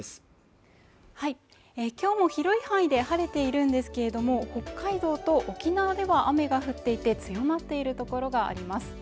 今日も広い範囲で晴れているんですけれども北海道と沖縄では雨が降っていて強まっている所があります